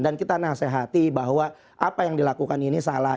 dan kita nasihati bahwa apa yang dilakukan ini salah